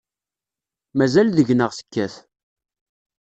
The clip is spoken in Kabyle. Mazal deg-neɣ tekkat.